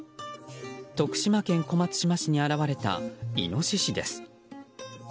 徳島県小松島市に現れたイノシシです。